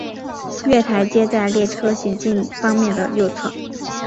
月台皆在列车行进方面的右侧。